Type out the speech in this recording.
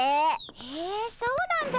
へえそうなんだ。